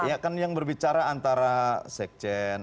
ya kan yang berbicara antara sekjen